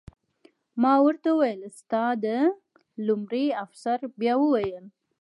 ما ورته وویل: ستا د... لومړي افسر بیا وویل.